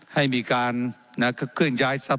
ว่าการกระทรวงบาทไทยนะครับ